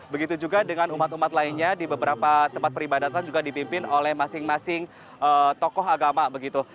begitu juga dengan umat umat lainnya di beberapa tempat peribadatan juga dipimpin oleh masing masing tokoh agama begitu